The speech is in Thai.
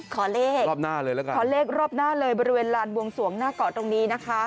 ขอเลขรอบหน้าเลยบริเวณลานวงสวงหน้าก่อนตรงนี้นะครับ